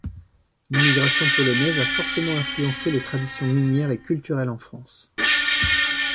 L'immigration polonaise a fortement influencé les traditions minières et culturelles en France.